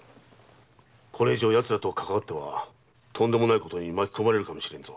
これ以上奴らとかかわってはとんでもないことに巻き込まれるかもしれぬぞ。